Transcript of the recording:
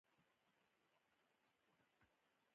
چې په ژوندون کښې يې محرومه له ژوندونه کړمه